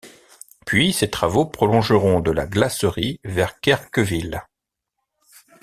Puis ces travaux prolongeront de La Glacerie vers Querqueville.